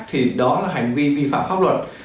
thì đó là hành vi vi phạm pháp luật